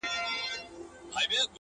ما يې اوږده غمونه لنډي خوښۍ نه غوښتې’